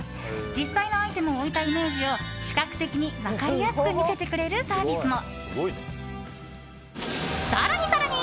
実際のアイテムを置いたイメージを視覚的に分かりやすく見せてくれるサービスも。